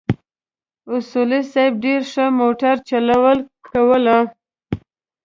اصولي صیب ډېره ښه موټر چلونه کوله.